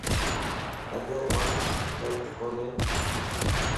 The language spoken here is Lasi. اگر آن غلط ڪونئين